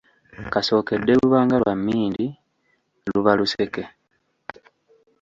Kasookedde luba nga lwa mmindi; luba Luseke.